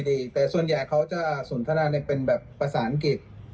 แต่ส่วนใหญ่เขาจะสนทนาในเป็นแบบภาษาอังกฤษ